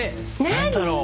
何だろう？